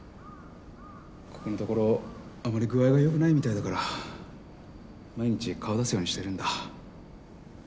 ここのところあまり具合が良くないみたいだから毎日顔出すようにしてるんだ。